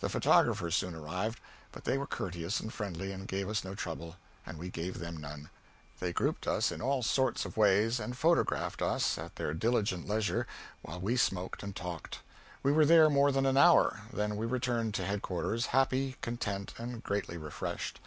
The photographers soon arrived, but they were courteous and friendly and gave us no trouble, and we gave them none. They grouped us in all sorts of ways and photographed us at their diligent leisure, while we smoked and talked. We were there more than an hour; then we returned to headquarters, happy, content, and greatly refreshed.